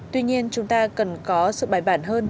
tuy nhiên chúng ta cần có sự bài bản hơn